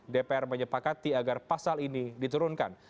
dpr menyepakati agar pasal ini diturunkan